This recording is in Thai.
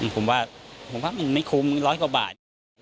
ผมว่าผมว่ามันไม่คุ้มร้อยกว่าบาท